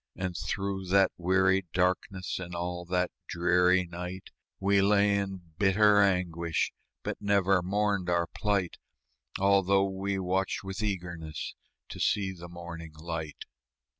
And through that weary darkness, And all that dreary night, We lay in bitter anguish, But never mourned our plight, Although we watched with eagerness To see the morning light.